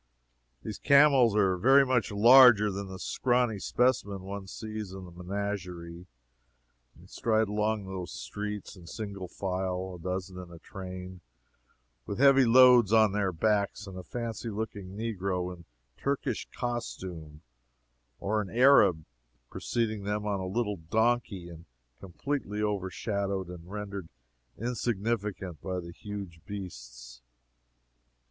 These camels are very much larger than the scrawny specimens one sees in the menagerie. They stride along these streets, in single file, a dozen in a train, with heavy loads on their backs, and a fancy looking negro in Turkish costume, or an Arab, preceding them on a little donkey and completely overshadowed and rendered insignificant by the huge beasts.